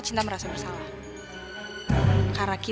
dia ada di belakang